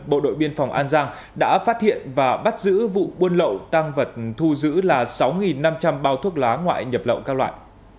bộ đội biên phòng an giang đã phát hiện và bắt giữ vụ buôn lậu tăng vật thu giữ là sáu năm trăm linh bao thuốc lá ngoại nhập lậu các loại